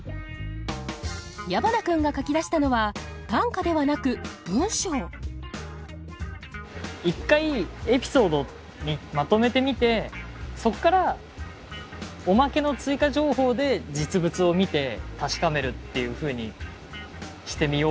矢花君が書き出したのは短歌ではなく文章１回エピソードにまとめてみてそっからおまけの追加情報で実物を見て確かめるっていうふうにしてみようかなと。